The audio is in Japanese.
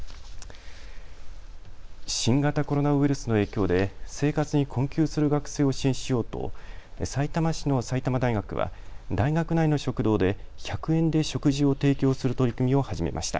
新型コロナウイルスの影響で生活に困窮する学生を支援しようとさいたま市の埼玉大学は大学内の食堂で１００円で食事を提供する取り組みを始めました。